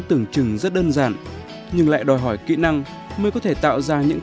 sử dụng giấy và những dụng cũ chuyên dùng